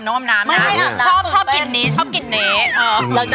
กลัวมาเมื่อกี้ยังนะ